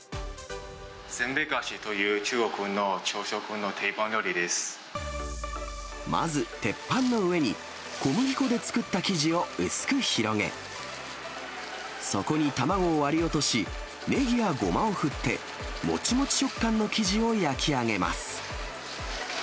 せんべい菓子という、中国のまず鉄板の上に、小麦粉で作った生地を薄く広げ、そこに卵を割り落とし、ネギやゴマを振って、もちもち食感の生地を焼き上げます。